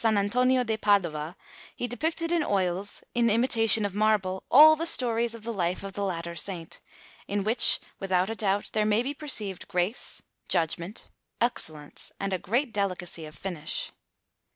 Antonio da Padova, he depicted in oils, in imitation of marble, all the stories of the life of the latter Saint, in which, without a doubt, there may be perceived grace, judgment, excellence, and a great delicacy of finish.